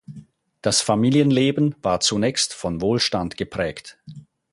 Das Familienleben war zunächst von Wohlstand geprägt.